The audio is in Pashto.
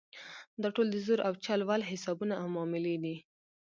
دا ټول د زور او چل ول حسابونه او معاملې دي.